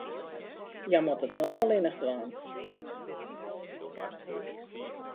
Hja moat it no allinnich dwaan.